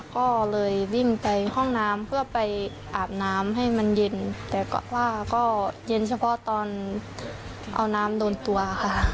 ก็เลยวิ่งไปห้องน้ำเพื่อไปอาบน้ำให้มันเย็นแต่ว่าก็เย็นเฉพาะตอนเอาน้ำโดนตัวค่ะ